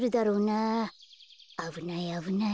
あぶないあぶない。